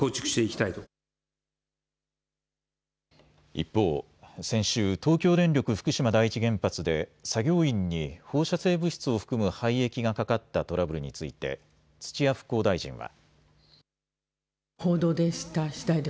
一方、先週、東京電力福島第一原発で作業員に放射性物質を含む廃液がかかったトラブルについて土屋復興大臣は。